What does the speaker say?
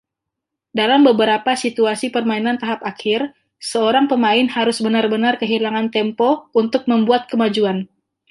Dalam beberapa situasi permainan tahap akhir, seorang pemain harus benar-benar "kehilangan" tempo untuk membuat kemajuan.